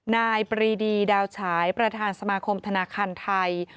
นายปรีดีดาวฉายประธานสมาคมธนาคารไทย